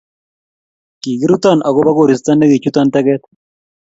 kikiruton akobo koristo ne kichuton teket